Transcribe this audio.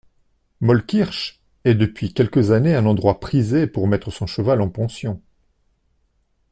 Mollkirch est depuis quelques années un endroit prisé pour mettre son cheval en pension.